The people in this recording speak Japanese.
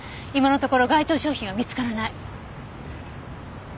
今のところ該当商品は見つからない。